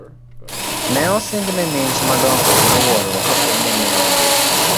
Ne osingne mich madongo miwuoro kapo ni ne odhi